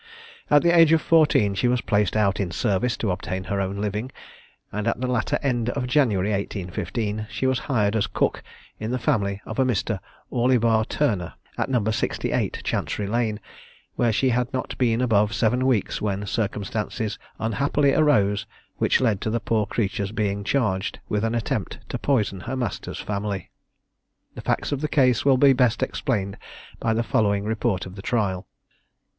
At the age of fourteen, she was placed out in service to obtain her own living; and at the latter end of January, 1815, she was hired as cook in the family of a Mr. Orlibar Turner, at No. 68, Chancery lane, where she had not been above seven weeks when circumstances unhappily arose which led to the poor creature's being charged with an attempt to poison her master's family. The facts of the case will be best explained by the following report of the trial.